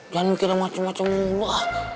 jangan mikirin macem macem mulu